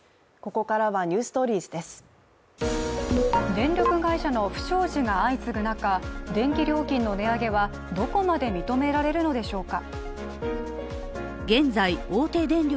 電力会社の不祥事が相次ぐ中電気料金の値上げはどこまで認められるのでしょうか。